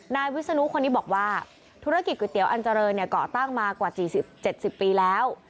นายวิศนุคนนี้บอกว่าธุรกิจก๋วยเตี๋ยวอันเจริญก่อตั้งมากว่า๗๐ปีแล้ว